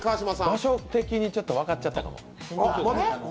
場所的にちょっと分かっちゃったかも。